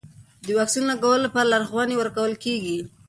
د واکسین لګولو لپاره لارښوونې ورکول کېږي.